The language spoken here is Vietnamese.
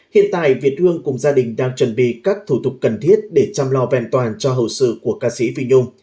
hiện tại việt hương cùng gia đình đang chuẩn bị các thủ tục cần thiết để chăm lo vẹn toàn cho hậu sự của ca sĩ phi nhung